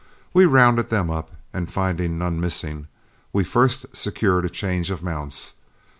We rounded them up, and finding none missing, we first secured a change of mounts.